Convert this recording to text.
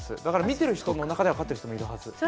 だから見てる人の中では分かってる人もいるはず。